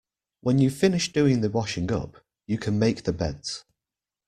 When you’ve finished doing the washing up, you can make the beds